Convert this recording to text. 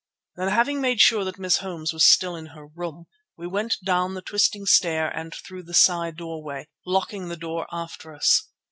Then having made sure that Miss Holmes was still in her room, we went down the twisting stair and through the side doorway, locking the door after us.